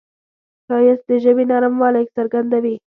ښایست د ژبې نرموالی څرګندوي